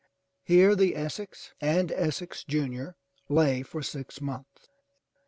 Here the Essex and Essex Junior lay for six months.